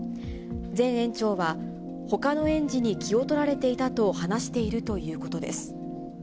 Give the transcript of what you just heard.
前園長は、ほかの園児に気を取られていたと話しているということです。